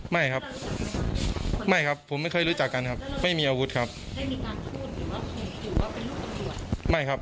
ไม่ครับไม่ครับผมไม่เคยรู้จักกันครับไม่มีอาวุธครับ